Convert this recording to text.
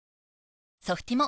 ソフティモ